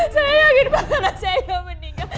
saya yakin bahwa anak saya gak meninggal